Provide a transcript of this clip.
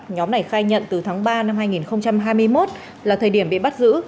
nhóm này khai nhận từ tháng ba năm hai nghìn hai mươi một là thời điểm bị bắt giữ